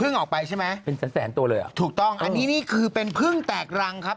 พึ่งออกไปใช่ไหมถูกต้องอันนี้นี่คือเป็นพึ่งแตกรังครับ